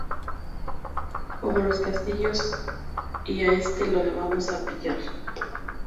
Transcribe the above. como los castillos. y a este lo vamos a pillar.